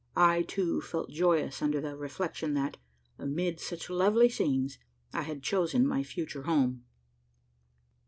I, too felt joyous under the reflection that, amid such lovely scenes, I had chosen my future home.